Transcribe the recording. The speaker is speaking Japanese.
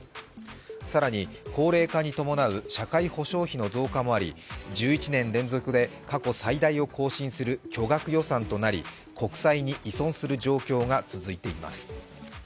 更に高齢化に伴う社会保障費の増加もあり１１年連続で過去最大を更新する巨額予算となり国債に依存する状況が続いています。